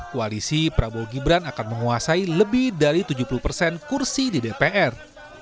koalisi prabowo gibran akan menguasai lebih dari tujuh puluh persen kursi di dpr